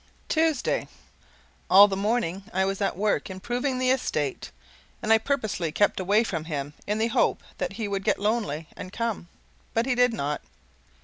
TUESDAY. All the morning I was at work improving the estate; and I purposely kept away from him in the hope that he would get lonely and come. But he did not.